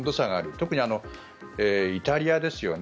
特にイタリアですよね。